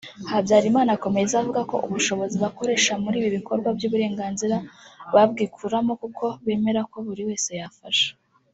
Habyarimana akomeza avuga ko ubushobozi bakoresha muri ibi bikorwa by’ubugiraneza babwikuramo kuko bemera ko buri wese yafasha